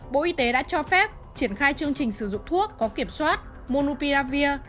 bộ y tế đã cho phép triển khai chương trình sử dụng thuốc có kiểm soát monupiravir